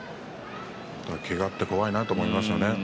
けがって怖いなと思いますね。